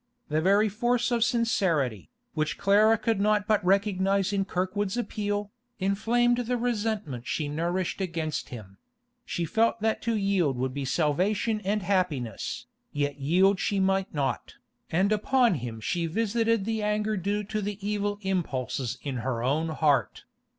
The very force of sincerity, which Clara could not but recognise in Kirkwood's appeal, inflamed the resentment she nourished against him; she felt that to yield would be salvation and happiness, yet yield she might not, and upon him she visited the anger due to the evil impulses in her own heart.